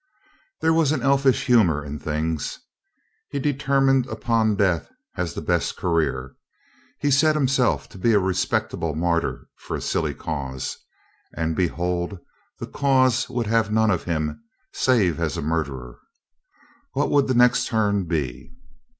There was an elfish humor in things. He deter mined upon death as the best career ; he set himself to be a respectable martyr for a silly cause, and, be hold, the cause would have none of him save as a murderer. What would the next turn be?